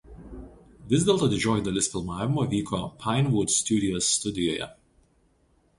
Vis dėlto didžioji dalis filmavimo vyko „Pinewood Studios“ studijoje.